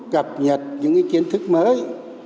cập nhật những cái kiến thức mới